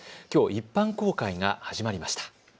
きょう、一般公開が始まりました。